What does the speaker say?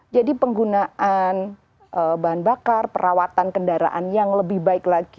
jadi penggunaan bahan bakar perawatan kendaraan yang lebih baik lagi